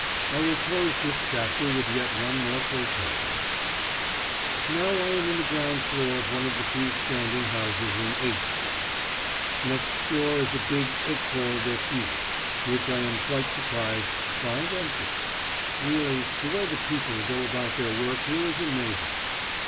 I will close this chapter with yet one more quotation: "Now I am in the ground room of one of the few standing houses in H Street. Next door is a big 'École des filles,' which I am quite surprised to find empty! Really the way the people go about their work here is amazing.